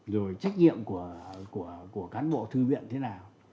rồi trách nhiệm của cán bộ thư viện thế nào